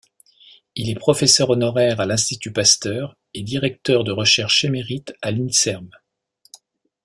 Il est professeur honoraire à l'Institut Pasteur et directeur de recherche émérite à l'Inserm.